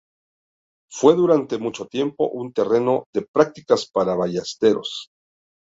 Fue durante mucho tiempo un terreno de prácticas para ballesteros.